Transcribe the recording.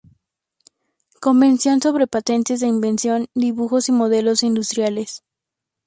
Convención sobre Patentes de Invención, Dibujos y Modelos Industriales.